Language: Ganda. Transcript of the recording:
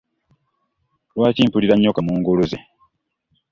Lwaki mpulira nnyo kamunguluze?